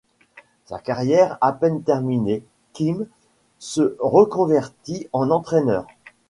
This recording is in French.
Sa carrière à peine terminée, Quim se reconvertit en entraîneur.